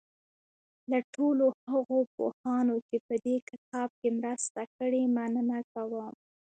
له ټولو هغو پوهانو چې په دې کتاب کې مرسته کړې مننه کوم.